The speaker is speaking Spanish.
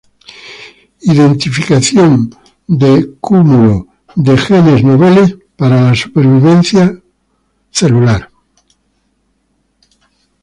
Identification of novel gene clusters for cell survival.